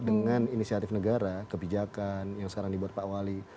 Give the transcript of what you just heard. dengan inisiatif negara kebijakan yang sekarang dibuat pak wali